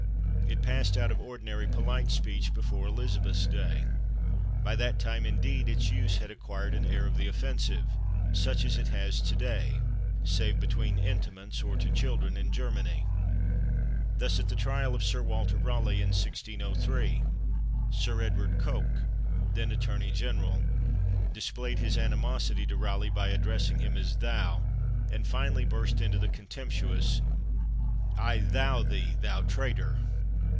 It passed out of ordinary polite speech before Elizabeth's day. By that time, indeed, its use had acquired an air of the offensive, such as it has today, save between intimates or to children, in Germany. Thus, at the trial of Sir Walter Raleigh in 1603, Sir Edward Coke, then attorney general, displayed his animosity to Raleigh by addressing him as /thou/, and finally burst into the contemptuous "I /thou/ thee, /thou/ traitor!"